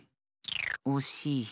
おしい。